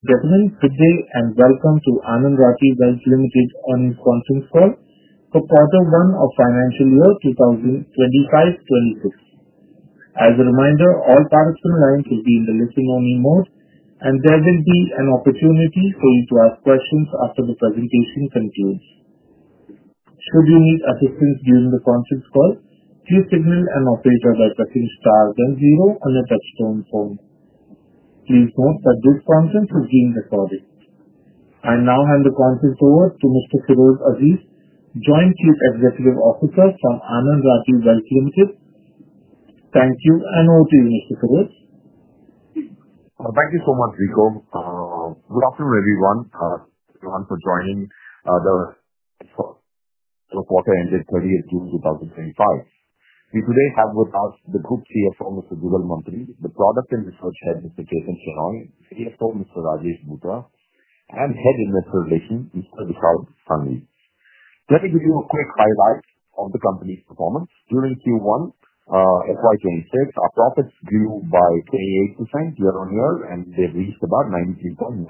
And gentlemen, good day, and welcome to Anand Rathi Wealth Limited earnings conference call for quarter one of financial year twenty twenty five-twenty six. As a reminder, all participants will be in a listen only mode, and there will be an opportunity for you to ask questions after the presentation concludes. Please signal an operator by pressing then 0 on your touch tone phone. Please note that this conference is being recorded. I now hand the conference over to mister Kiroz Adiz, joint chief executive officer from Anand Rati Wealth Limited. Thank you, and all to you, mister Kabut. Thank you so much, Rico. Good afternoon, everyone everyone for joining the third quarter ended thirtieth June two thousand twenty five. We today have with us the group CFO, mister Google Mantri, the product and research head, mister Jason Chanoi, CFO, mister Rajesh Gupta, and head investor relations, mister Rajesh Gupta. Let me give you a quick highlight of the company's performance. During q one, FY twenty six, our profits grew by 28% year on year, and they reached about 93.9%.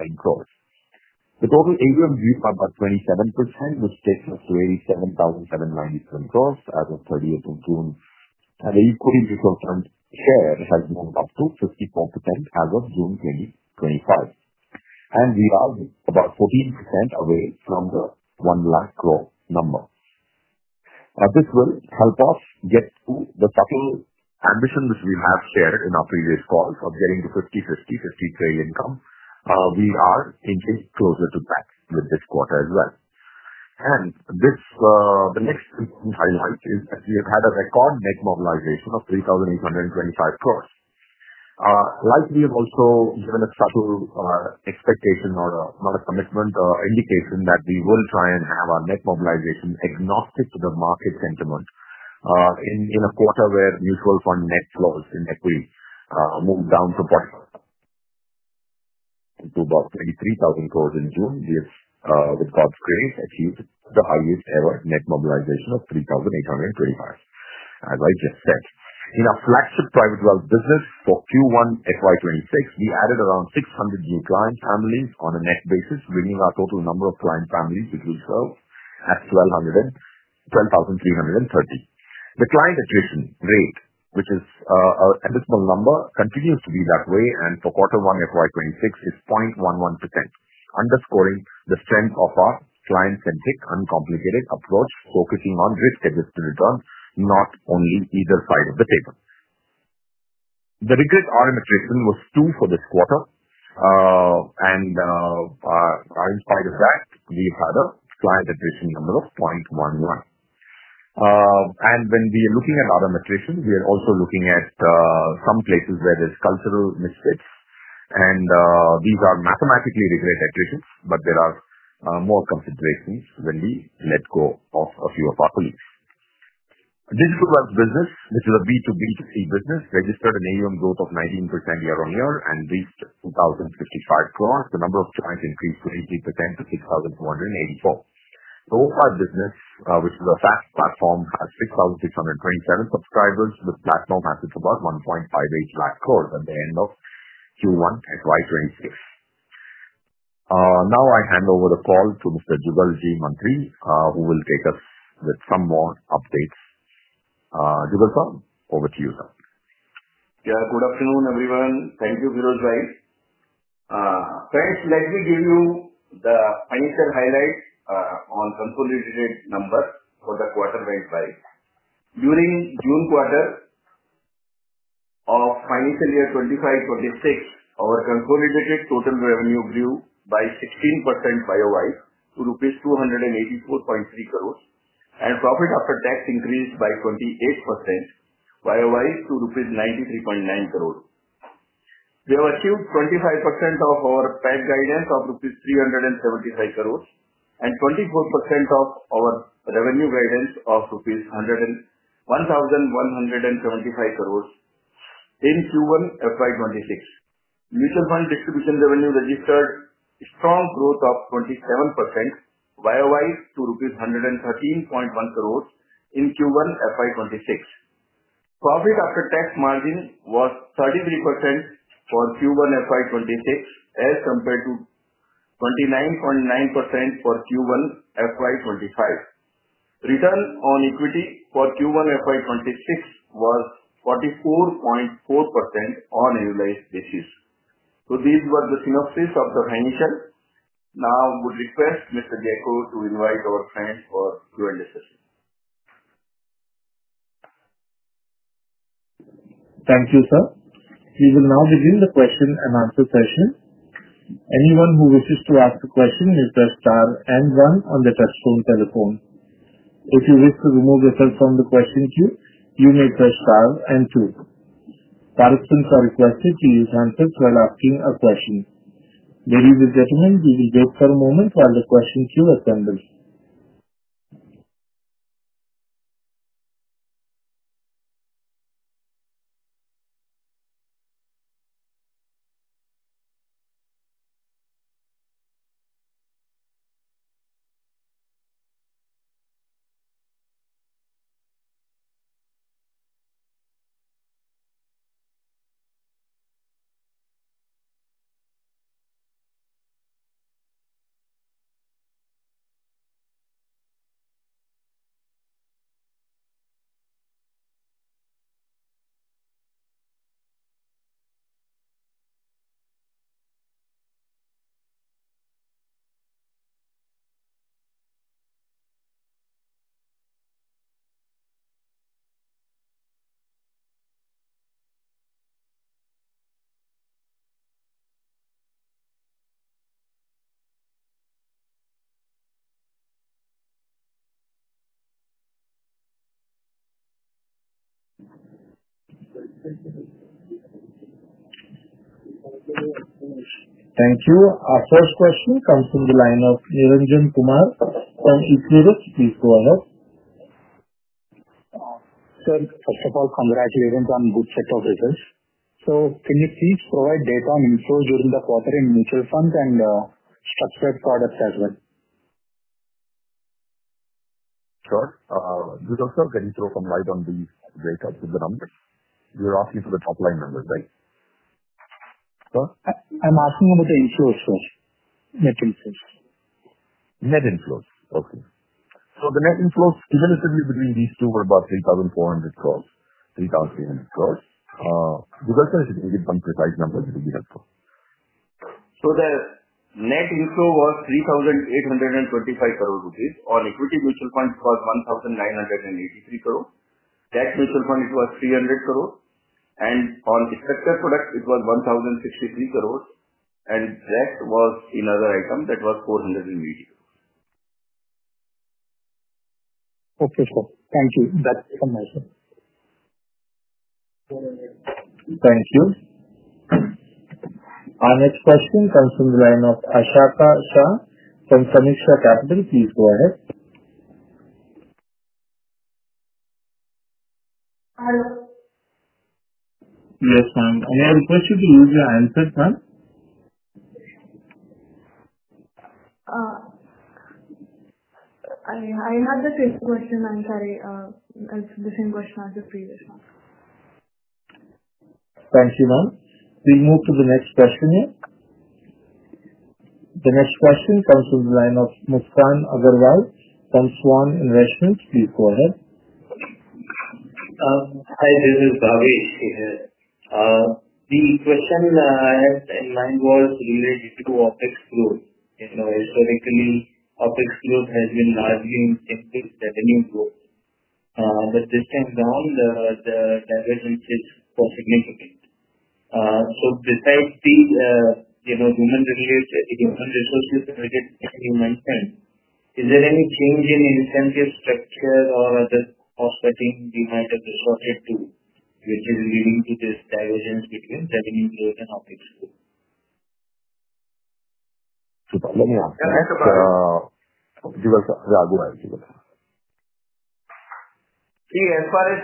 The total AUM grew by about 27%, which takes us to $87,007.97 dollars as of June 30. And the equally difficult time share has moved up to 54% as of June 2025. And we are about 14% away from the 1 lakh crore number. This will help us get to the total ambition which we have shared in our previous calls of getting to $50.50 53 income. We are in case closer to that with this quarter as well. And this the next thing to highlight is that we have had a record net mobilization of 3,825 crores. Like, we have also given a subtle expectation or not a commitment or indication that we will try and have our net mobilization agnostic to the market sentiment in in a quarter where mutual fund net flows in equity moved down to about about 23,000 crores in June. This with God's grace, achieved the highest ever net mobilization of 3,825, as I just said. In our flagship private wealth business for q one f y twenty six, we added around 600 new client families on a net basis, bringing our total number of client families which we serve at 1,212,330. The client attrition rate, which is a a small number, continues to be that way and for quarter one FY twenty six is point 11%, underscoring the strength of our client centric, uncomplicated approach focusing on risk adjusted return, not only either side of the table. The regret on attrition was two for this quarter, and are in spite of that, we had a client attrition number of point one one. And when we are looking at other matrices, we are also looking at some places where there's cultural mistakes. And these are mathematically regret attrition, but there are more considerations when we let go of a few of our colleagues. Digital web business, which is a b to b to c business, registered an AUM growth of 19% year on year and reached 2,055 crore. The number of clients increased to 80% to 6,284. The o five business, which is a SaaS platform, has 6,627 subscribers. The platform has its about 1.58 cores at the end of q one FY twenty six. Now I hand over the call to mister Jugal j Manthri, who will take us with some more updates. Jugal sir, over to you, sir. Yeah. Good afternoon, everyone. Thank you, Guruswai. Friends, let me give you the financial highlights on consolidated number for the quarter. June quarter of financial year twenty five, twenty six, our consolidated total revenue grew by 16% Y o Y to rupees 284.3 crores, and profit after tax increased by 28% Y o Y to rupees 93.9 crore. We have achieved 25% of our paid guidance of rupees 375 crore and 24% of our revenue guidance of rupees 100 and 1,175 crore in q one f y twenty six. Mutual fund distribution revenue registered strong growth of 27% y o y to rupees 113.1 crores in q one f y twenty six. Profit after tax margin was 33% for q one FY twenty six as compared to 29.9% for q one FY twenty five. Return on equity for q one FY twenty six was 44.4% on annualized basis. So these were the synopsis of the. Now would request mister to invite our friend for. Thank you, sir. We will now begin the question and answer session. Anyone who wishes to ask a question, may press star and one on the touch tone telephone. If you wish to remove yourself from the question queue, you may press star and 2. Participants are requested to use answers while asking a question. Ladies and gentlemen, we will wait for a moment while the question queue is assembled. Our first question comes from the line of Niranjan Kumar from Equilibus. Please go ahead. Sir, first of all, congratulations on good set of results. So can you please provide data on inflows during the quarter in mutual funds and structured products as well? Sure. You know, sir, can you throw some light on the breakout with the numbers? You're asking for the top line numbers. Right? Sir? I'm asking about the inflow, sir. Net inflows. Net inflows. Okay. So the net inflows, even if it is between these two were about 3,400 crores, 3,800 crores. Because, sir, if you give some precise numbers, it will be helpful. So the net inflow was 3,825 crore rupees. On equity mutual funds, it was 1,983. That mutual fund, it was 300 crore. And on the sector product, it was 1,063 crore. And that was another item that was 480. Okay. Sure. Thank you. That's it from my side. Thank you. Our next question comes from the line of Ashaka Shah from Conexha Capital. Please go ahead. Yes, ma'am. May I request you to use your answer, ma'am? I I have the same question. I'm sorry. It's the same question as the previous one. We move to the next question here. The next question comes from the line of Mufjan Agarwal from Swan Investments. Hi, this is Bhavesh here. The question I had in mind was related to OpEx growth. Historically, OpEx growth has been largely in revenue growth. But this time down, the the the business is more significant. So besides the, you know, human related, the human resources that you mentioned, is there any change in incentive structure or other offsetting we might have resorted to, which is leading to this divergence between revenue growth and OpEx? See, as far as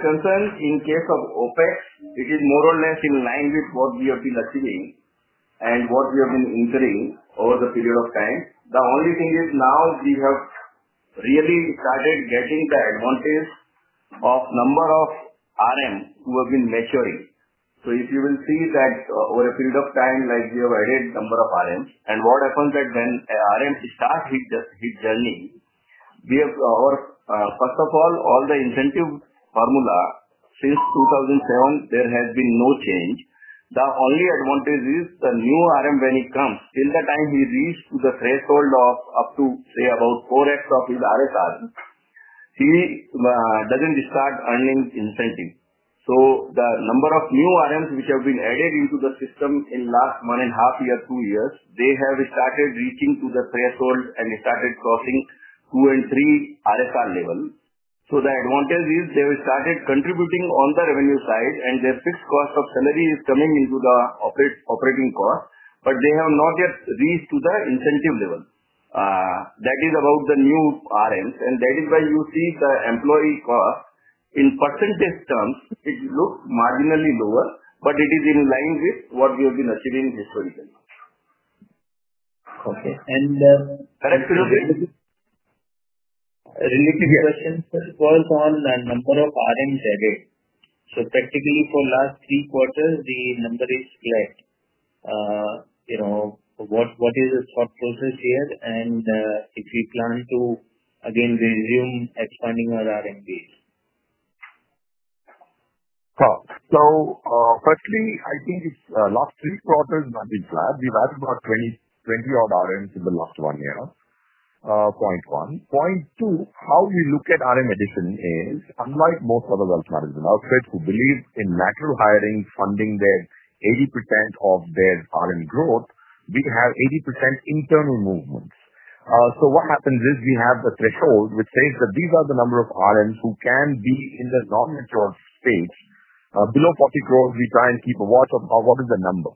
concerned, in case of OpEx, it is more or less in line with what we have been achieving and what we have been incurring over the period of time. The only thing is now we have really started getting the advantage of number of RN who have been maturing. So if you will see that over a period of time, like, we have added number of RNs. And what happens is when RNs start with the with journey, We have our first of all, all the incentive formula since 02/2007, there has been no change. The only advantage is the new RM when it comes. Till the time he reached the threshold of up to, say, about four x of his RSR, he doesn't start earning incentive. So the number of new ones which have been added into the system in last one and half year, two years, they have started reaching to the threshold and started crossing two and three RFR level. So the advantage is they will started contributing on the revenue side and their fixed cost of salary is coming into the operate operating cost, but they have not yet reached to the incentive level. That is about the new RNs, and that is why you see the employee cost in percentage terms, it looks marginally lower, but it is in line with what we have been achieving this. Okay. And And related related question, sir, was on the number of r m's added. So, practically, for last three quarters, the number is flat. You know, what what is the thought process here and if you plan to, again, resume expanding our R and Ds. So firstly, I think it's last three quarters have been flat. We've had about twenty twenty odd RMs in the last one year, point one. Point two, how we look at RM edition is unlike most of the wealth management outfit who believe in natural hiring, funding their 80% of their RN growth, we have 80% internal movements. So what happens is we have the threshold which says that these are the number of RNs who can be in the non mature stage. Below 40 crores, we try and keep a watch of of what is the number.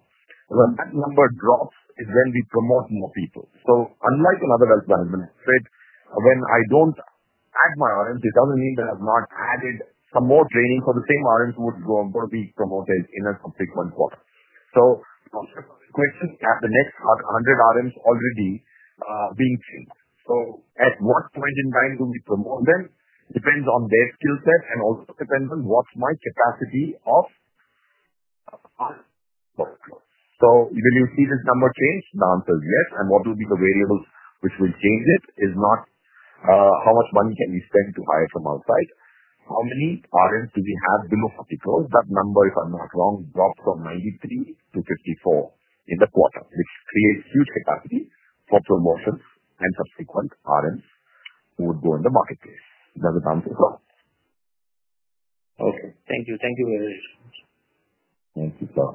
When that number drops is when we promote more people. So unlike in other health management, right, when I don't add my RNs, it doesn't mean that I've not added some more training for the same RNs would go gonna be promoted in a subsequent quarter. So question, have the next 100 RNs already being changed. So at what point in time do we promote them? Depends on their skill set and also depends on what's my capacity of so you can you see this number change? The answer is yes. And what will be the variables which will change it is not how much money can we spend to hire from our side. How many audience do we have below 50 close? That number, if I'm not wrong, drops from 93 to 54 in the quarter, which creates huge capacity for promotions and subsequent RNs who would go in the marketplace. Does it answer your call? Okay. Thank you. Thank you very much. Thank you, sir.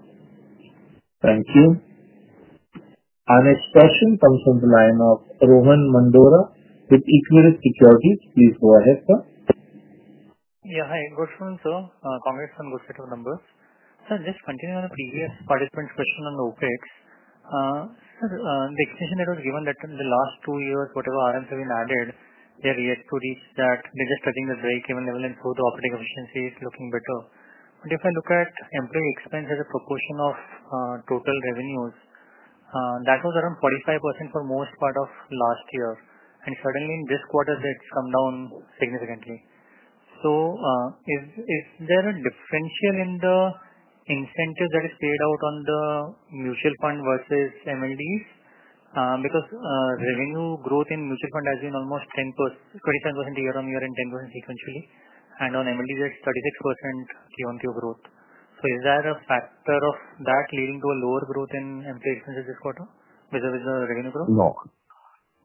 Thank you. Our next question comes from the line of Roman Mandora with Equities Securities. Please go ahead, sir. Yeah. Hi. Good morning, sir. Congrats on good set of numbers. Sir, just continue on the previous participant's question on OpEx. Sir, the extension that was given that in the last two years, whatever RMs have been added, they are yet to reach that. They're just cutting the breakeven level and further operating efficiency is looking better. But if I look at employee expense as a proportion of total revenues, that was around 45% for most part of last year. And suddenly, in this quarter, that's come down significantly. So is is there a differential in the incentive that is paid out on the mutual fund versus MLDs? Because revenue growth in mutual fund has been almost 10% 27% year on year and 10% sequentially. And on MLDs, it's 36 Q on Q growth. So is there a factor of that leading to a lower growth in in this quarter? Whether it's a revenue growth? No.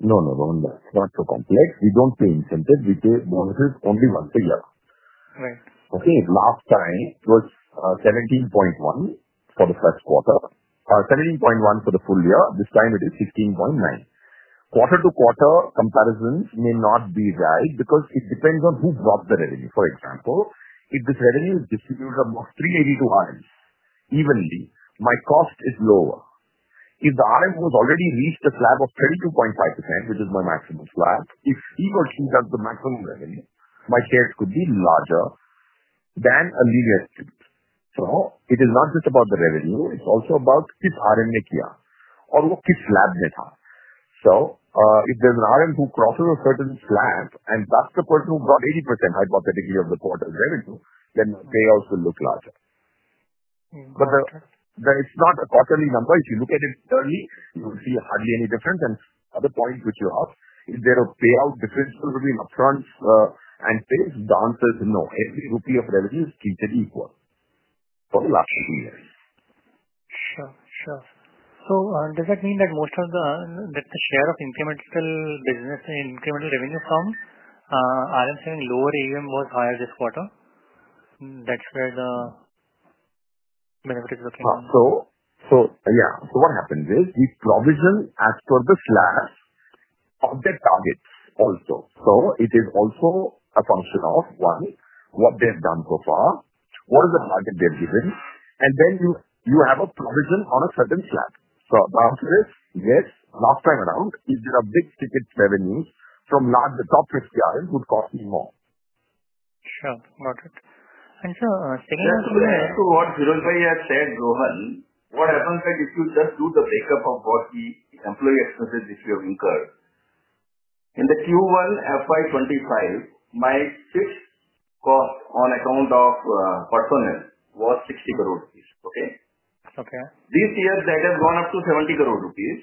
No. No. Too complex. We don't pay incentive. We pay bonuses only once a year. Right. Okay. Last time, it was 17.1 for the first quarter. 17.1 for the full year. This time, it is 16.9. Quarter to quarter comparisons may not be right because it depends on who brought the revenue. For example, if this revenue is distributed above three eighty two hours evenly, my cost is lower. If the hours was already reached the flag of 32.5%, which is my maximum flag, if he was to have the maximum revenue, my shares could be larger than a media. So it is not just about the revenue. It's also about this RNN. So if there's an RNN who crosses a certain slab and that's the person who brought 80% hypothetically of the quarter revenue, then they also look larger. But the that is not a quarterly number. If you look at it early, you will see hardly any difference. And other point which you ask, is there a payout difference between upfront and pay? The answer is no. Every rupee of revenue is treated equal for the last few years. Sure. Sure. So does that mean that most of the that the share of incremental business and incremental revenue from I am saying lower AUM was higher this quarter. That's where the benefit is looking from. So so yeah. So what happened is, we provision as per the slash of their targets also. So it is also a function of one, what they've done so far, what is the target they've given, and then you you have a provision on a certain slack. So the answer is, yes, Last time around, is there a big ticket revenues from large the top 50 r's would cost me more. Sure. Got it. And, sir, second question to what has said, Rohan. What happens is if you just do the breakup of what the employee expenses which we have incurred. In the q one f y twenty five, my fixed cost on account of was 60 crore rupees. Okay? Okay. This year, that has gone up to 70 crore rupees,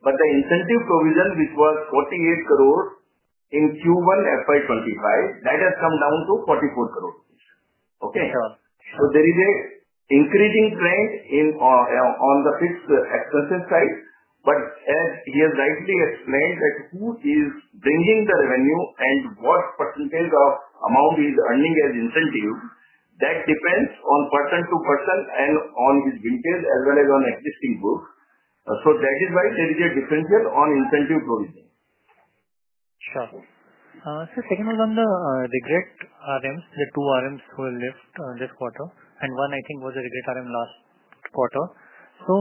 but the incentive provision, which was 48 crore in q one f y twenty five, that has come down to 44 crore rupees. Okay? Sure. Sure. So there is a increasing trend in on the fixed expenses side, but as he has rightly explained that who is bringing the revenue and what percentage of amount is earning as incentive, that depends on person to person and on his vintage as well as on existing book. So that is why there is a difference here on incentive provision. Sure. Sir, second one on the regret RMs, the two RMs were left this quarter, and one, I think, was a regret RM last quarter. So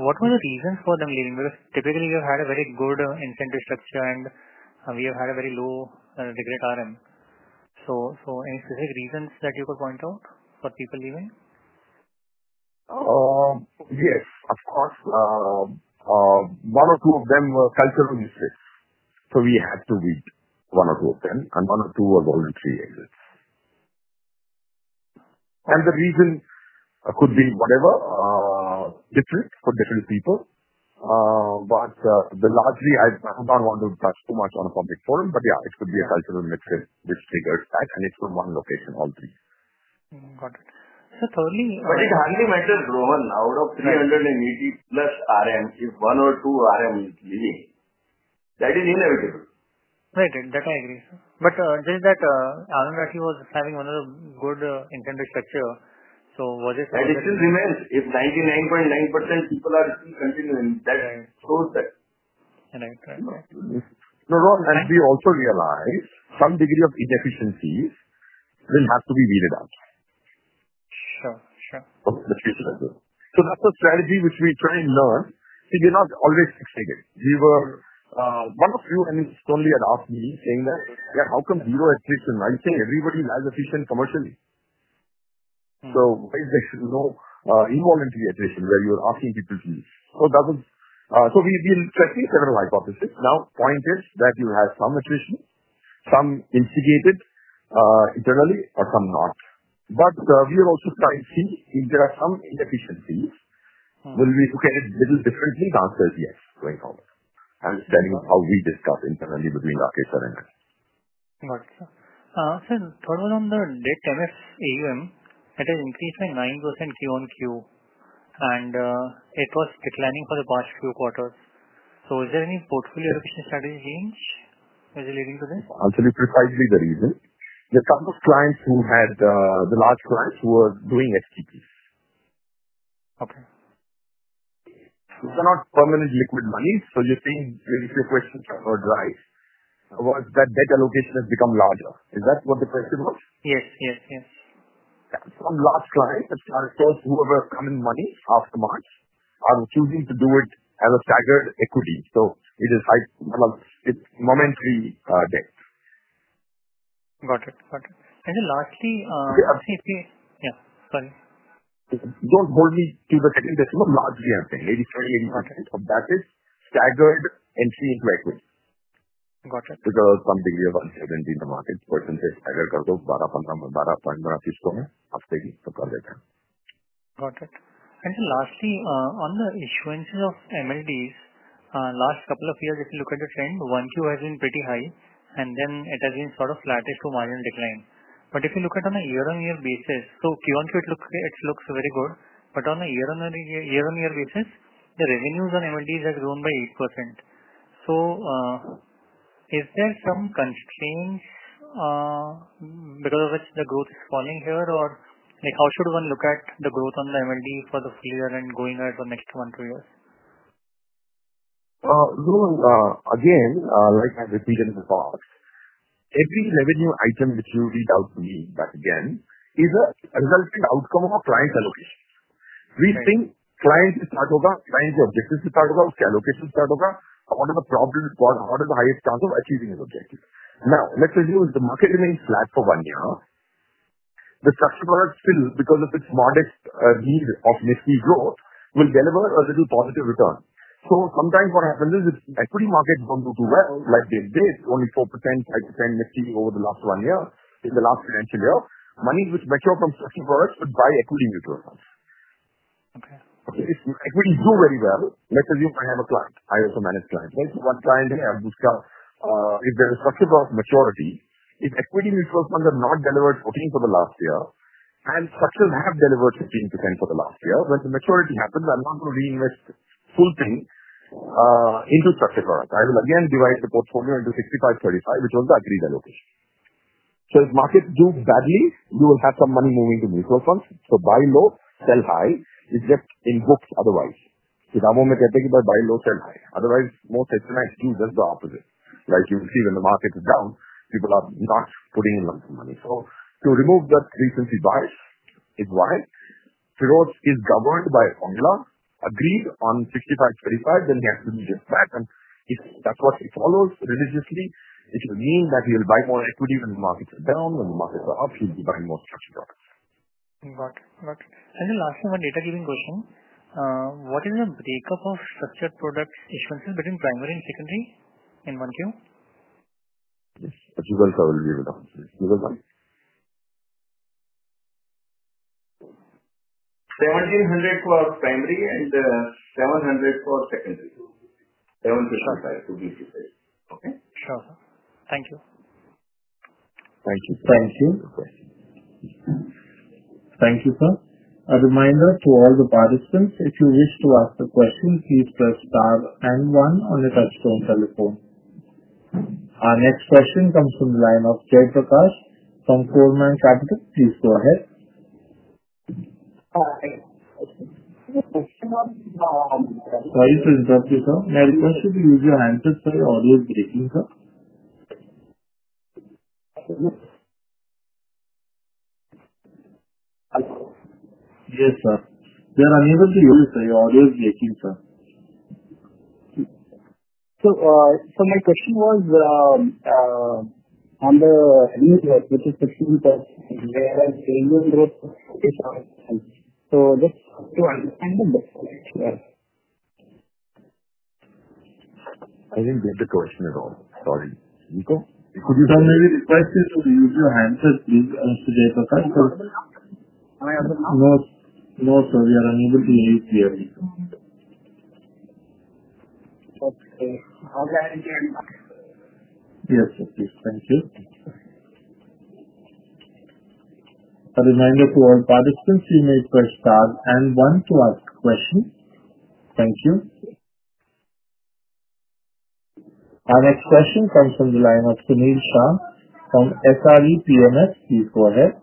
what were the reasons for them leaving? Because, typically, you had a very good incentive structure, and we have had a very low regret time. So so any specific reasons that you could point out for people leaving? Oh, yes. Of course. One or two of them were cultural mistakes. So we had to wait one or two of them, and one or two was only three exits. And the reason could be whatever different for different people. But the largely, I I don't want to touch too much on a public forum, but, yeah, it could be a cultural mix in which triggers that, and it's from one location, all three. Got it. Sir, totally But it hardly matters, Rohan, out of 380 plus r m, if one or two r m is busy. That is inevitable. Right. That that I agree, sir. But just that, Arundhati was having another good intended structure. So was it It still remains. If 99.9% people are still continuing that Right. Close that. Right. Right. No. No. And we also realize some degree of inefficiencies will have to be weeded out. Sure. Sure. Of the future as well. So that's the strategy which we try and learn. So you're not always fixing it. We were one of you, and he's only had asked me saying that, yeah, how come zero attrition? I'm saying everybody is as efficient commercially. So there's no involuntary attrition where you're asking people to use. So that was so we've been checking several hypothesis. Now point is that you have some attrition, some instigated internally or some not. But we are also trying to see if there are some inefficiencies. Will we look at it a little differently? The answer is yes going forward. And then you know how we discuss internally between our case and end. Got it, sir. Sir, third one on the debt MS AUM, it has increased by 9% q on q, and it was declining for the past few quarters. So is there any portfolio revision strategy change as relating to this? Actually, precisely the reason. The couple of clients who had the large clients who are doing STPs. Okay. These are not permanent liquid money. So you're saying, maybe three questions are not right. Was that data location has become larger. Is that what the question was? Yes. Yes. Yes. From last client, it's our source whoever has come in money after March are choosing to do it as a staggered equity. So it is high plus it's momentary debt. Got it. Got it. And then lastly Okay. CP yeah. Sorry. Don't hold me to the second decimal large. Maybe 38% of that is staggered entry into equity. Got it. Because some degree of uncertainty in the market. Person says I got it. Got it. And lastly, on the issuance of MLDs, last couple of years, if you look at the trend, 1Q has been pretty high, and then it has been sort of flattish to margin decline. But if you look at on a year on year basis, so Q on Q, it looks it looks very good. But on a year on year year on year basis, the revenues on M and D has grown by 8%. So is there some constraint because of which the growth is falling here? Or, like, how should one look at the growth on M and D for the full year and going out the next one, two years? Again, like I've received in the past, every revenue item that you read out to me back again is a resulting outcome of our client allocation. We think clients start over, clients objectives start over, can location start over, and one of the problems, what are the highest chance of achieving this objective. Now let's review if the market remains flat for one year, the structure product still, because of its modest need of net fee growth, will deliver a little positive return. So sometimes what happens is if equity market don't do too well, like they did, only 4%, 5% net fee over the last one year, in the last financial year. Money which mature from structure for us would buy equity mutual funds. Okay. Okay. If equity do very well, let's assume I have a client. I also manage clients. Right? So one client, they have this account. If there is structure of maturity, if equity mutual funds have not delivered 14 for the last year and structures have delivered 15% for the last year, when the maturity happens, I want to reinvest full thing into structure product. I will again divide the portfolio into sixty five thirty five, which was agreed allocation. So if market do badly, you will have some money moving to mutual funds. So buy low, sell high. It's just in books otherwise. So that moment, I think, by buy low, sell high. Otherwise, most estimates do just the opposite. Like, you will see when the market is down, people are not putting in lots of money. So to remove that recently buys is why. Firod is governed by a formula agreed on 6535, then he has to be just back and if that's what he follows religiously, it will mean that he will buy more equity when the markets are down, when the markets are up, he'll be buying more structured products. Got it. Got it. And then lastly, one data giving question. What is the breakup of structured products issuances between primary and secondary in one q? Yes. But you can probably give it up. You don't mind? 1,700 for primary and 700 for secondary. Seven to. Okay? Sure, sir. Thank you. Thank you. You. Thank you, sir. Our next question comes from the line of Jay Prakash from Goldman Yes, sir. We are unable to use the audio is breaking, sir. So so my question was on the new work, which is the. So just to understand the. I didn't get the question at all. Sorry. Nico? Could you kindly request it to use your handset, please, as today for transfer? No. No, sir. We are unable to hear you. Okay. Okay. Thank you very much. Yes. Of course. Thank you. A reminder to all participants, you may press and 1 to ask questions. Thank you. Our next question comes from the line of Sunil Shah from SRE PMS. Please go ahead.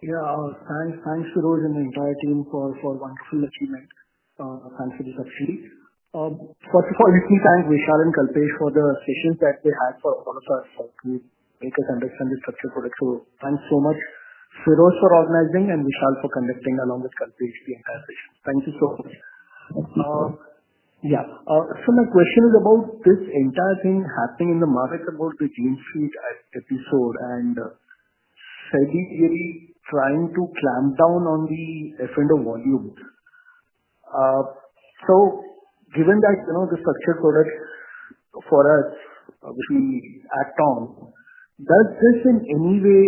Yeah. Thanks thanks to the entire team for for wonderful achievement. Thanks for this, actually. First of all, let me thank Vishal and Kalfesh for the sessions that they had for all of our support. Make us understand the structure for the tool. Thanks so much, Kalfesh, for organizing and Vishal for conducting along with Kalfesh the entire session. Thank you so Yeah. So my question is about this entire thing happening in the market about the gene suite episode and said it really trying to clamp down on the f and o volume. So given that, you know, the structure for that for us, obviously, at all, does this in any way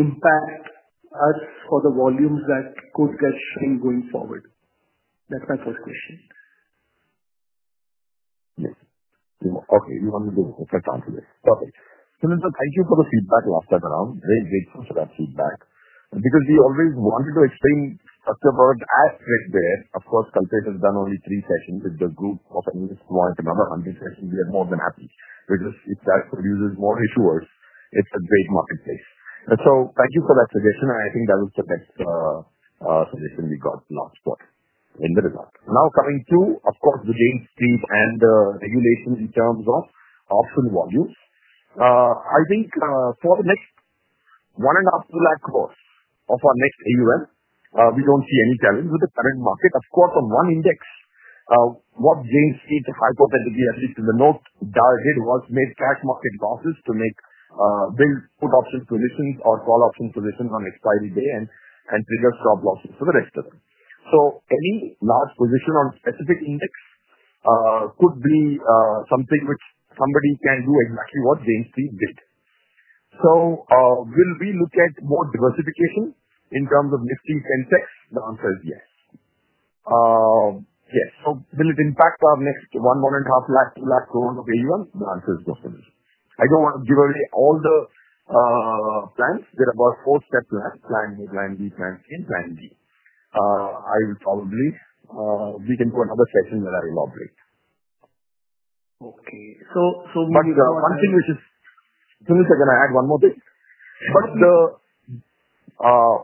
impact us for the volumes that could get shrink going forward? That's my first question. Yes. Okay. You want me to do it. Okay. So, mister, thank you for the feedback. Asked that around. Great. Great for that feedback. Because we always wanted to explain the word aspect there. Of course, Kaltura has done only three sessions with the group of any support and other 100 sessions. We are more than happy. Because if that produces more issuers, it's a great marketplace. And so thank you for that suggestion. I think that was the best suggestion we got last quarter in the result. Now coming to, of course, the gains fees and the regulations in terms of option volumes. I think for the next one and a half lakh of our next AUM, we don't see any challenge with the current market. Of course, on one index, what gains in the hypothetically, at least in the note, that I did was made cash market losses to make build put option positions or call option positions on expiry day and and figure stop losses for the rest of them. So any large position on specific index could be something which somebody can do exactly what they did. So will we look at more diversification in terms of nifty fintechs? The answer is yes. Yes. So will it impact our next one more and half lakh to lakh going of a one? The answer is definitely. I don't wanna give away all the plans. There are about four steps have plan with line b, plan in plan b. I will probably we can put another session where I will operate. Okay. So so But the one thing which is give me a second. I add one more thing. But the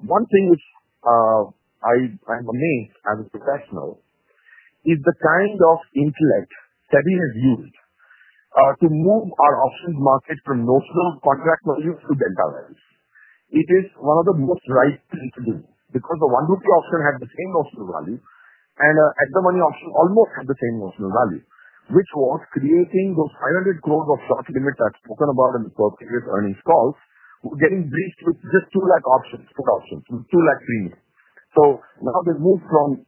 one thing which I I have a name as a professional is the kind of intellect that we have used to move our options market from notional contract value to the balance. It is one of the most right thing to do, because the 1 rupee option had the same notional value, and at the money option almost had the same notional value, which was creating those 500 close of short limit that's spoken about in the first previous earnings calls, getting breached with just two, like, options, two options, two, like, three. So now they've moved from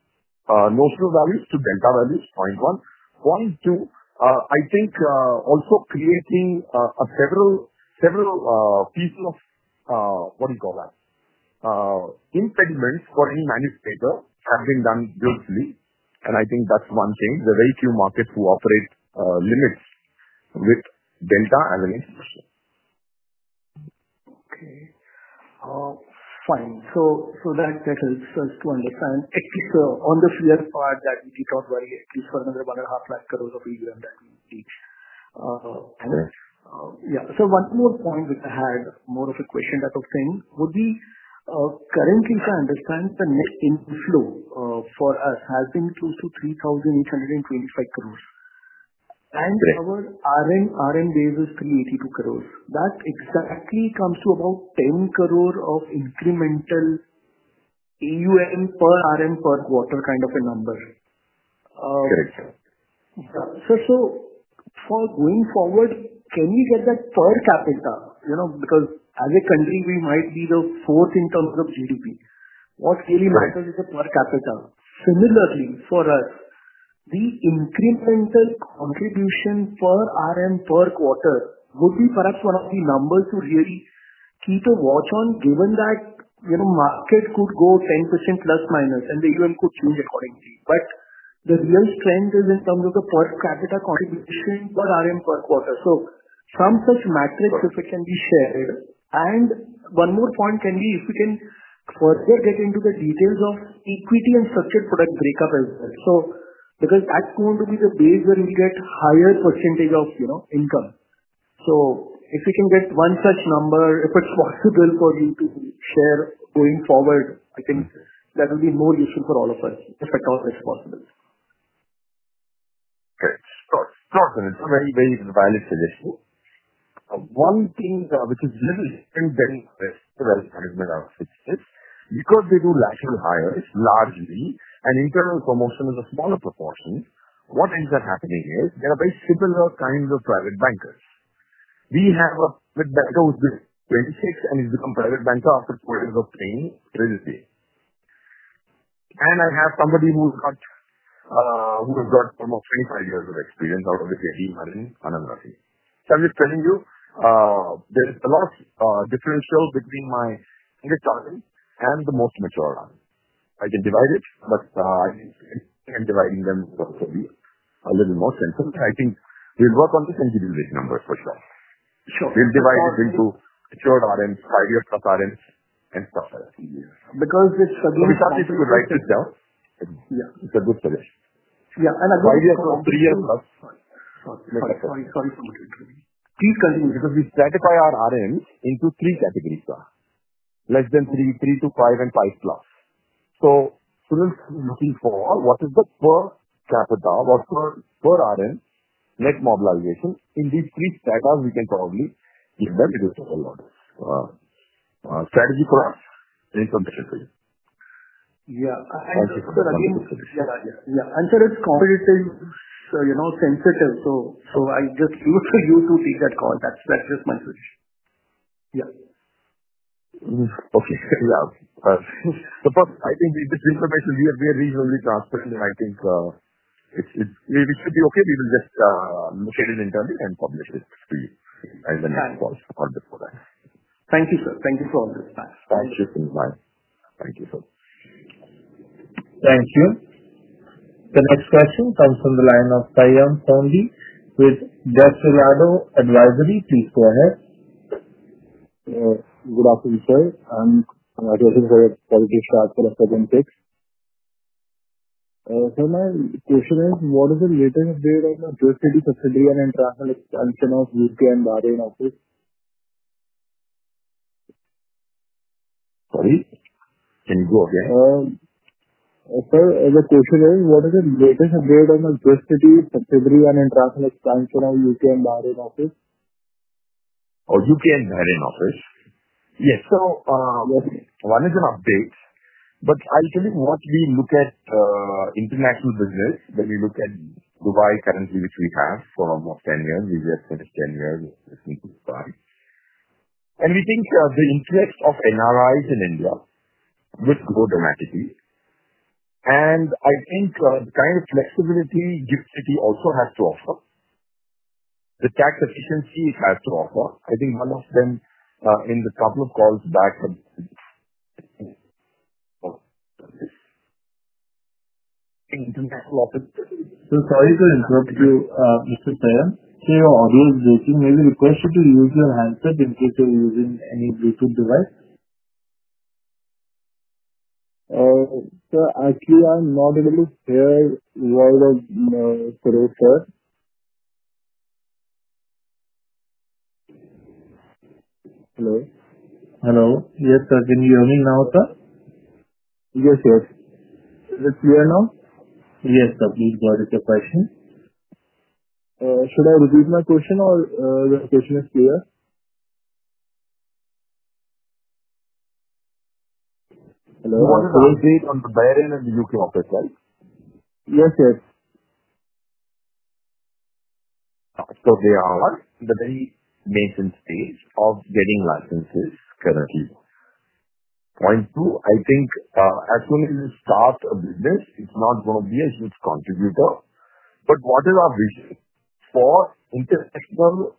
notional values to delta values, point one. Point two, I think also creating a several several piece of what do you call that? Impediment for any manager have been done briefly, and I think that's one thing. The very few markets who operate limits with delta as an institution. Okay. Fine. So so that that helps us to understand. It is on the fear part that we could operate at least for another one and half lakh crores of that we teach. Okay. Yeah. So one more point that I had more of a question that I obtained would be currently, if I understand the net inflow for us has been close to 3,825 crores. And our r m r m basis is $3.82 crores. That exactly comes to about 10 crore of incremental AUM per r m per quarter kind of a number. So so for going forward, can we get that per capita? You know, because as a country, we might be the fourth in terms of GDP. What really matters is the per capita. Similarly, for us, the incremental contribution per r m per quarter would be perhaps one of the numbers to really keep a watch on given that, you know, market could go 10% plus minus and the even could change accordingly. But the real strength is in terms of the first capital contribution per annum per quarter. So some such metrics, if it can be shared. And one more point, can we if we can further get into the details of equity and subject for that breakup as well. So because that's going to be the base where you get higher percentage of, you know, income. So if we can get one such number, if it's possible for you to share going forward, I think that will be more useful for all of us if at all possible. K. Sure. Sure. Sure. Sure. It's a very, valid suggestion. One thing which is little and very best to help management out of it is because they do lack of a higher, it's largely an internal promotion of the smaller proportion. What ends up happening is there are very similar kinds of private bankers. We have a with that goes with 26 and become private banker after four years of training, And I have somebody who's got who has got almost twenty five years of experience out of the JD, Harini, Anurag. So I'm just telling you, there's a lot of differential between my retirement and the most mature one. I can divide it, but I'm I'm dividing them for for the a little more sense. I think we'll work on this individual number for sure. Sure. We'll divide it into mature balance, five year forbearance, Less than three three to five and five plus. So so this is looking for what is the per capita, what's per per RNs, net mobilization. In these three status, we can probably give them a little bit of a lot. Strategy for us, the information for you. And, again yeah. Yeah. Yeah. And, sir, it's competitive. So, you know, sensitive. So so I just use for you to take that call. That's that's just my suggestion. Yeah. Okay. Yeah. But but I think this information here, we are reasonably transferred, and I think it's it's maybe it should be okay. We will just look at it internally and publish it to you in the next call or before that. Thank you, sir. Thank you for all this. Bye. Thank you, sir. Thank you. The next question comes from the line of Payam Pondi with Desilado Advisory. Please go ahead. Good afternoon, sir. I'm addressing the policy chart for the second six. Sir, my question is, what is the latest date of the facility and international extension of UK and Bahrain office? Sorry? Can you go again? Sir, the question is, what is the latest update on the New York City, February and in travel extension of UK and Bahrain office? Oh, UK and Bahrain office? Yes. So one is an update. But I'll tell you what we look at international business, but we look at Dubai currently, which we have for almost ten years. We just finished ten years. And we think the influx of NRIs in India would go dramatically. And I think the kind of flexibility GiftCity also has to offer, The tax efficiency, it has to offer. I think one of them in the couple of calls back from in the next office. So sorry to interrupt you, mister Payam. Sir, your audio is breaking. May we request you to use your handset in case you're using any Bluetooth device? Sir, actually, I'm not able to share your voice, sir. Hello? Yes, sir. Can you hear me now, sir? Yes, sir. Is it clear now? Yes, sir. Please go ahead with your question. Should I repeat my question or the question is clear? Hello? What's the update on the and The UK office side? Yes. Yes. So they are the very nation stage of getting licenses currently. Point two, I think as soon as you start a business, it's not gonna be a huge contributor. But what is our vision for international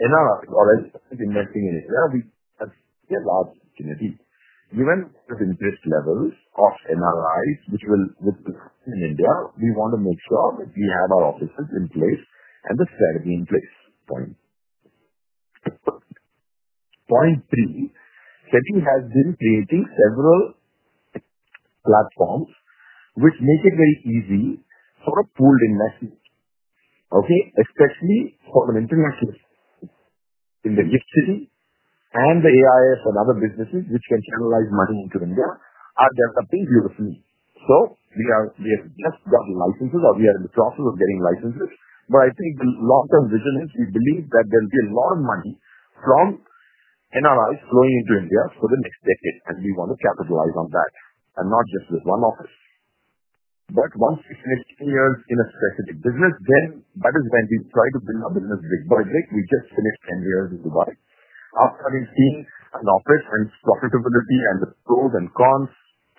in our already investing in it. Yeah. We have we have opportunity. Even within this level of NRIs, which will with in India, we wanna make sure that we have our offices in place and the strategy in place. Point three, that we have been creating several platforms, which make it very easy for a pool in message. Okay? Especially for an international in the electricity and the AIS and other businesses which can generate money into India are definitely beautiful. So we are we have just gotten licenses or we are in the process of getting licenses. But I think the long term vision is we believe that there'll be a lot of money from NRI flowing into India for the next decade, and we wanna capitalize on that and not just with one office. But once we finish ten years in a specific business, then that is when we try to build our business big budget. We just finished ten years in Dubai. After I've seen an office and profitability and the pros and cons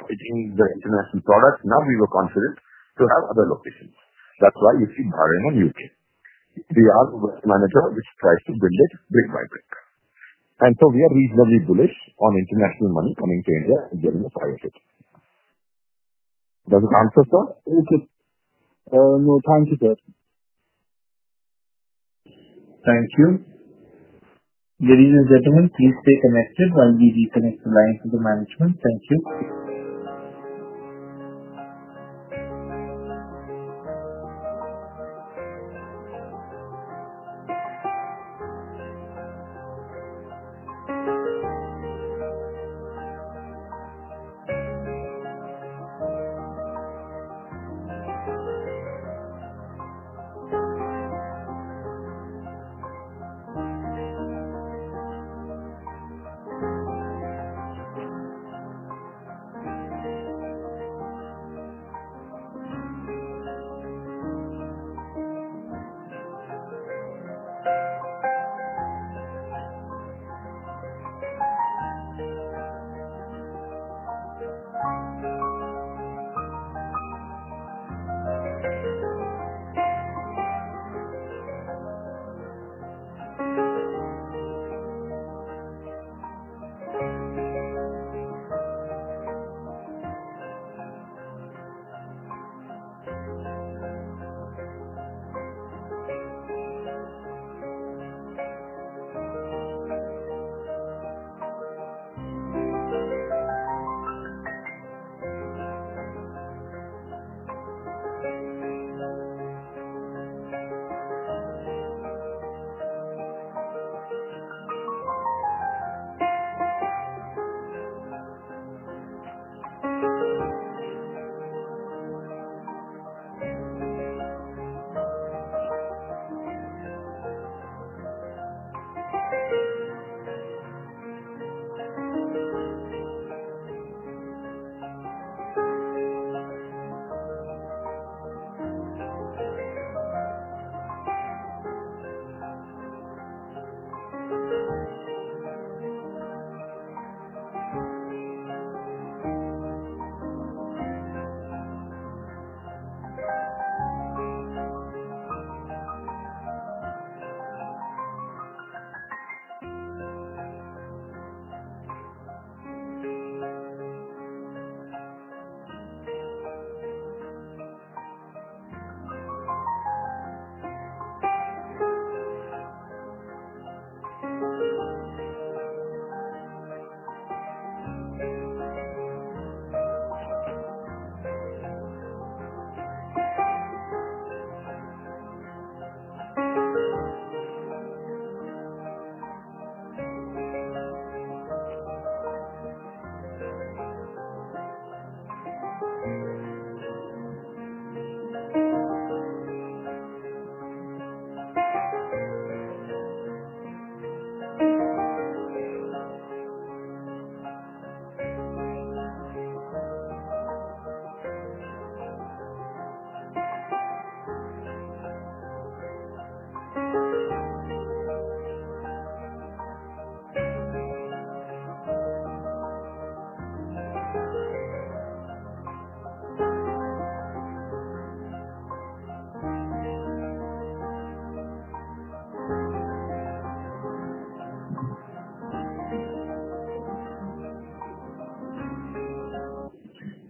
between the international products. Now we were confident to have other locations. That's why you see Bahrain and UK. We are the manager which tries to build it brick by brick. And so we are reasonably bullish on international money coming to India and getting a fire pit. Does it answer, sir? Okay. No. Thank you, sir. Thank you. Ladies and gentlemen, please stay connected while we reconnect the line to the management. Thank you.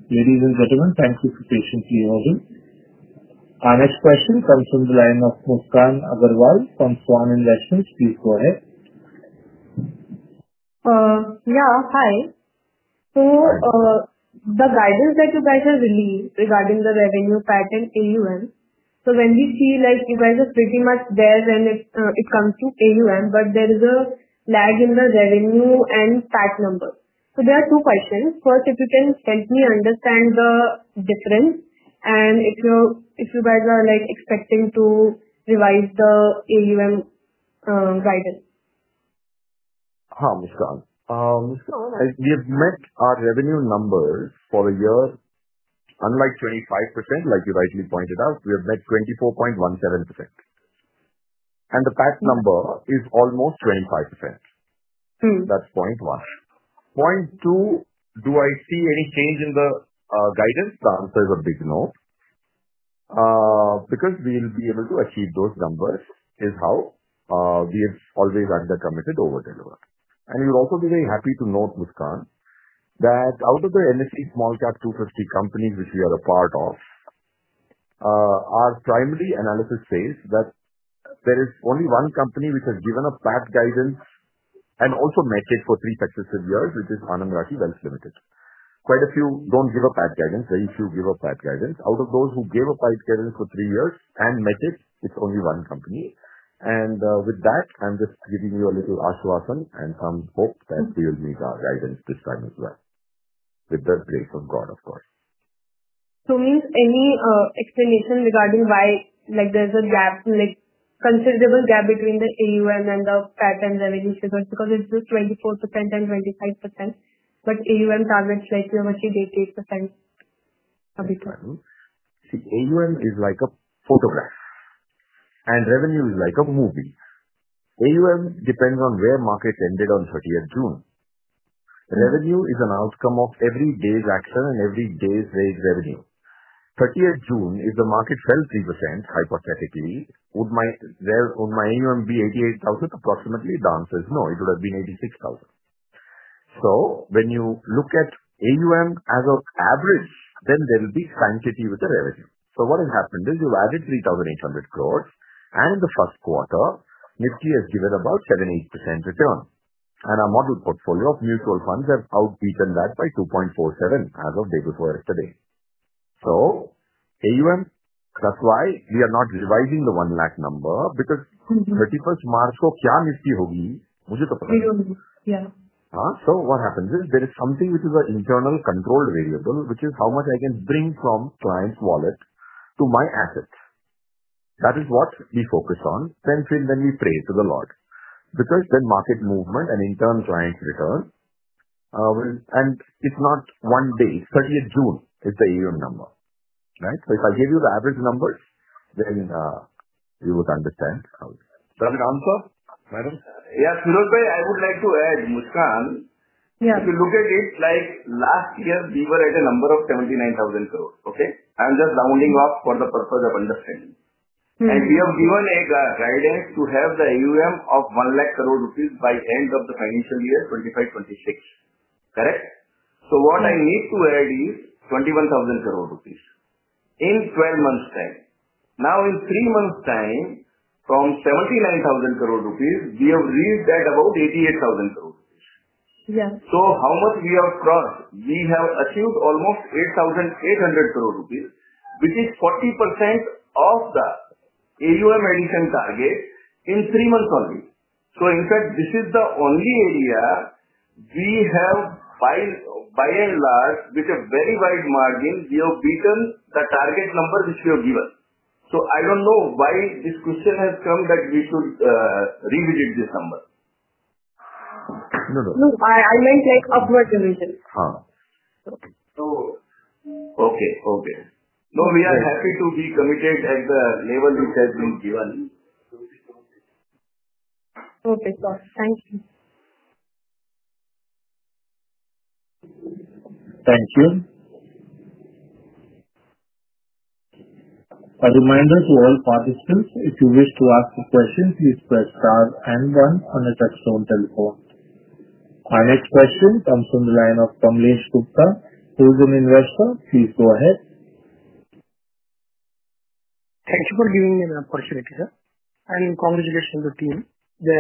Ladies and gentlemen, thank you for patiently holding. Our next question comes from the line of from. Please go ahead. Yeah. Hi. So the guidance that you guys have released regarding the revenue patent AUM. So when we see, like, you guys are pretty much there, then it it comes to AUM, but there is a lag in the revenue and fact number. So there are two questions. First, if you can help me understand the difference and if you if you guys are, like, expecting to revise the AUM guidance. Hi, mister Khan. Alright. We have met our revenue numbers for a year unlike 25%, like you rightly pointed out. We have met 24.17%, And the fact number is almost 25%. That's point one. Point two, do I see any change in the guidance? The answer is a big no. Because we'll be able to achieve those numbers is how we have always under committed over deliver. And you'll also be very happy to note, Muzcan, that out of the NSE small cap two fifty companies which we are a part of, our primary analysis says that there is only one company which has given a bad guidance and also met it for three Texas and years, which is Anandrati Wealth Limited. Quite a few don't give a bad guidance, but if you give a bad guidance, out of those who gave a bad guidance for three years and met it, it's only one company. And with that, I'm just giving you a little Ashwatan and some hope that we will need our guidance this time as well with the grace of God, of course. So, miss, any explanation regarding why, like, there's a gap, like, considerable gap between the AUM and the patent revenue? Because it's just 2425%, but AUM targets, like, you know, which is 88 of the time. See, AUM is like a photograph, and revenue is like a movie. AUM depends on where market ended on thirtieth June. Revenue is an outcome of everyday's action and everyday's rate revenue. Thirtieth June, if the market fell 3%, hypothetically, would my there would my AUM be 88,000 approximately? The answer is no. It would have been 86,000. So when you look at AUM as of average, then there'll be sanctity with the revenue. So what has happened is you added 3,800 crores, and in the first quarter, Nifty has given about 8% return. And our model portfolio of mutual funds have out beaten that by 2.47 as of day before yesterday. So AUM, that's why we are not revising the 1 lakh number because thirty first March Yeah. Uh-huh. So what happens is there is something which is our internal control available, which is how much I can bring from client's wallet to my assets. That is what we focus on. Then we then we pray to the Lord. Because the market movement and in turn client return Mhmm. And it's not one day. June 30 is the year number. Right? So if I give you the average numbers, then you would understand how Sir, the answer, madam? Yes. You know, by I would like to add, Muscan. Yeah. If you look at it, like, last year, we were at a number of 79,000 crore. Okay? I'm just rounding off for the purpose of understanding. And we have given a guidance to have the AUM of 1 lakh crore rupees by end of the financial year 2526. Correct? So what I need to add is 21,000 crore rupees in twelve months time. Now in three months time, from 79,000 crore rupees, we have reached at about 88,000 crore rupees. Yes. So how much we have crossed? We have achieved almost 8,800 crore rupees, which is 40% of the AUR medicine target in three months only. So in fact, this is the only area we have by by and large with a very wide margin. We have beaten the target number which we have given. So I don't know why this question has come that we should revisit this number. No. No. No. I I may take upward revision. Oh, okay. Okay. No. We are happy to be committed at the level which has been given. Okay, sir. Thank you. Thank you. Our next question comes from the line of Tamlish Gupta, who is an investor. Please go ahead. Thank you for giving me an opportunity, sir. And congratulations to the team. The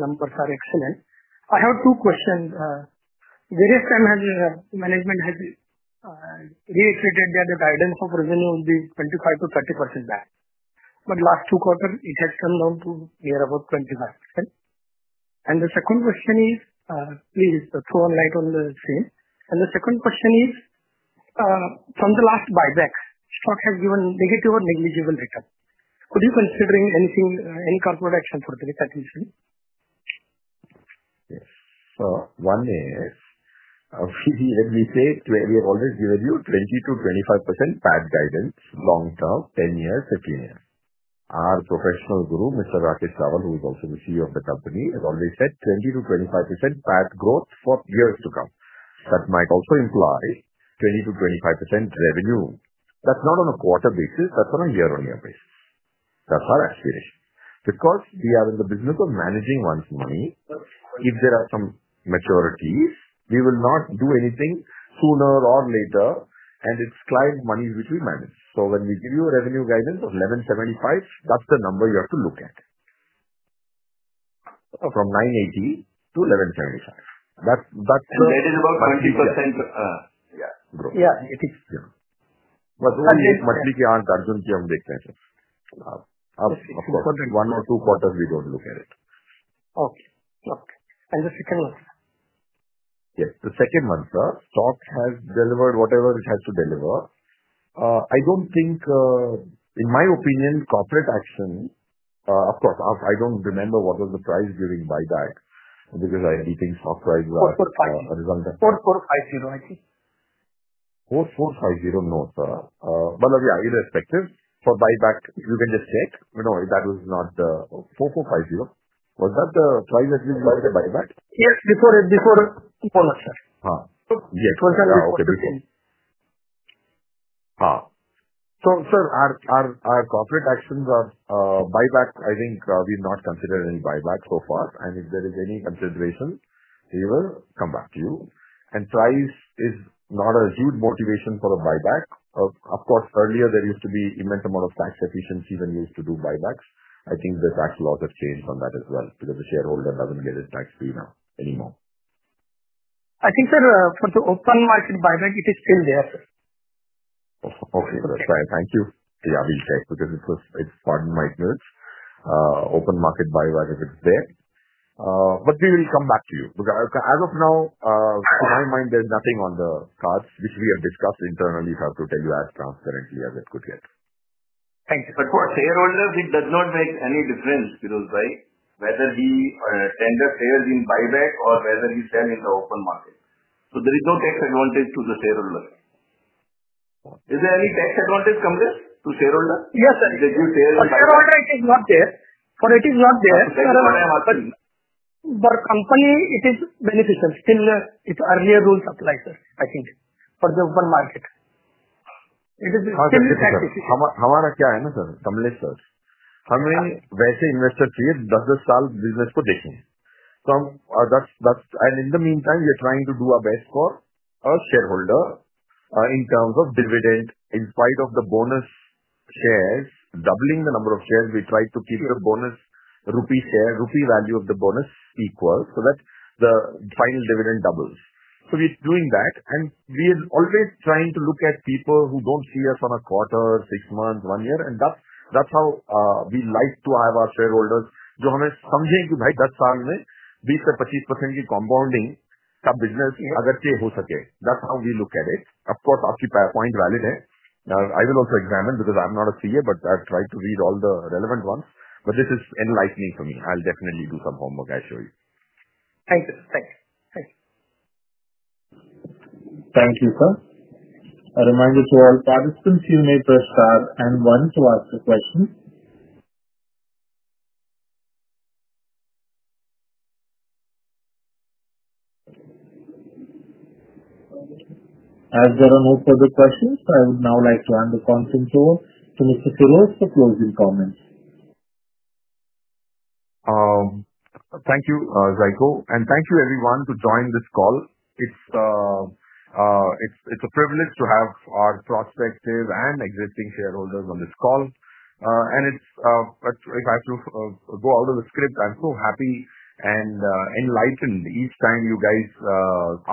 numbers are excellent. I have two questions. The recent management has reiterated that the guidance of revenue will be 2530% back. But last two quarters, it has come down to near about 25%. And the second question is, please, the two light on the scene. And the second question is, from the last buyback, stock has given negative or negative return. Could you considering anything any confirmation for the? Yes. So one is, let me say, we already give you 20 to 25% bad guidance, long term, ten years, fifteen years. Our professional guru, mister Rakesh Sawal, who is also the CEO of the company, has always said 20 to 25% bad growth for years to come. That might also imply 20 to 25% revenue. That's not on a quarter basis. That's on a year on year basis. That's our aspiration. Because we are in the business of managing one's money. If there are some maturities, we will not do anything sooner or later, and it's client money which we manage. So when we give you a revenue guidance of eleven seventy five, that's the number you have to look at. From nine eighty to eleven seventy five. That that And that is about 20%. Yeah. Yeah. It is. Yeah. But only monthly, are. Of of course, in one or two quarters, we don't look at it. Okay. Okay. And the second month? Yes. The second month, sir, stock has delivered whatever it has to deliver. I don't think in my opinion, corporate action of course, I I don't remember what was the price giving buyback because I we think soft price was $4.04 $5.00. $4.05 I think. $4.04 $5.00. No, sir. But, yeah, irrespective for buyback, you can just check. You know, if that was not the $4.04 $5.00. Was that the price that you buy the buyback? Yes. Before before the. Yes. Once again, be paying. So, sir, our our our corporate actions I think we've not considered any buyback so far. And if there is any consideration, we will come back to you. And price is not a huge motivation for a buyback. Of of course, earlier, there used to be immense amount of tax efficiency when used to do buybacks. I think the tax laws have changed on that as well because the shareholder doesn't get it back to you now anymore. I think, sir, for the open market buyback, it is still there, sir. Okay. So that's fine. Thank you. Yeah. We'll check because it was it's part of my notes. Open market by what is it there. But we will come back to you. As of now, on my mind, there's nothing on the cards which we have discussed internally. I have to tell you as transparently as it could get. Thank you. But for shareholders, it does not make any difference, Piroz. Right? Whether he tender shares in buyback or whether he sell in the open market. So there is no tax advantage to the shareholder. Is there any tax advantage from this to shareholder? Yes, sir. Because you say For shareholder, it is not there. For it is not there, sir, but for company, it is beneficial. Still, it's earlier rule supplier, I think, for the open market. It is the same exact issue. How how are the Amazon? How many investor team does this solve business position? Some that's that's and in the meantime, we are trying to do our best for our shareholder in terms of dividend in spite of the bonus shares, doubling the number of shares. Try to keep the bonus rupee share rupee value of the bonus equal so that the final dividend doubles. So we're doing that. And we're always trying to look at people who don't see us on a quarter, six months, one year, and that's that's how we like to have our shareholders. You know, something like that sound. These are percentage compounding business. That's how we look at it. Of course, after PowerPoint validate. Now I will also examine because I'm not a CEO, but I've tried to read all the relevant ones. But this is enlightening for me. I'll definitely do some homework, actually. Thank you. Thanks. Thanks. Thank you, sir. A reminder to all participants, you may press star and one to ask a question. As there are no further questions, I would now like to hand the conference over to Mr. Filho for closing comments. Thank you, and thank you everyone who joined this call. It's it's it's a privilege to have our prospective and existing shareholders on this call. And it's but if I have to go out of the script, I'm so happy and enlightened each time you guys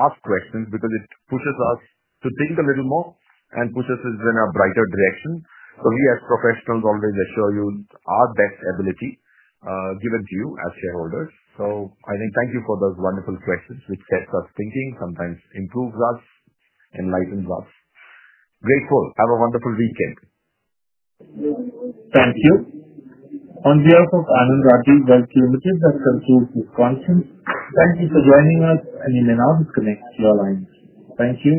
ask questions because it pushes us to think a little more and pushes us in a brighter direction. So we as professionals always assure you our best ability given to you as shareholders. So I think thank you for those wonderful questions, which sets us thinking, sometimes improves us, enlightens us. Grateful. Have a wonderful weekend. Thank you. On behalf of Anand Rajiv, that concludes this conference. Thank you for joining us, and you may now disconnect your lines. Thank you.